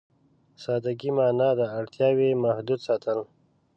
سادهګي معنا ده اړتياوې محدود ساتل.